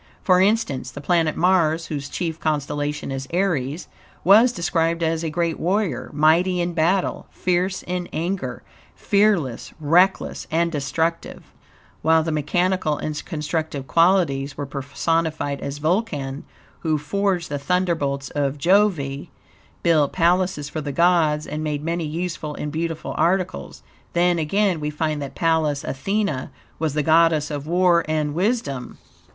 For instance, the planet Mars, whose chief constellation is Aries, was described as a great warrior, mighty in battle, fierce in anger, fearless, reckless, and destructive; while the mechanical and constructive qualities were personified as Vulcan, who forged the thunderbolts of Jove, built palaces for the gods, and made many useful and beautiful articles. Then, again, we find that Pallas Athene was the goddess of war and wisdom.